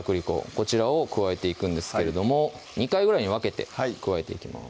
こちらを加えていくんですけれども２回ぐらいに分けて加えていきます